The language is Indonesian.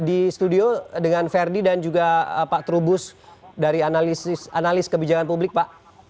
di studio dengan verdi dan juga pak trubus dari analis kebijakan publik pak